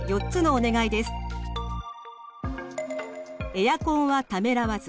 エアコンはためらわず。